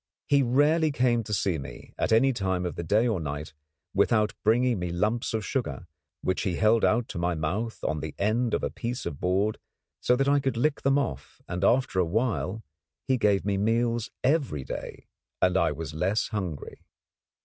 He rarely came to see me, at any time of the day or night, without bringing me lumps of sugar, which he held out to my mouth on the end of a piece of board so that I could lick them off; and after a while he gave me meals every day, and I was less hungry.